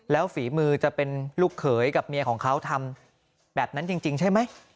แล้วฝีมือจะเป็นลูกเขยกับเมียของเขาทำแบบนั้นจริงใช่ไหม